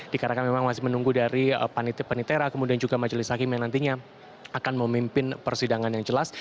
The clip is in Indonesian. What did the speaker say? dikarenakan memang masih menunggu dari panitia penitera kemudian juga majelis hakim yang nantinya akan memimpin persidangan yang jelas